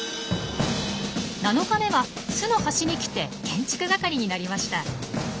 ７日目は巣の端に来て建築係になりました。